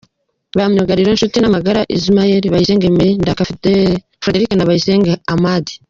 Ba myugariro : Nshutinamagara Ismail, Bayisenge Emery, Ndaka Frederic na Bariyanga Hamdan.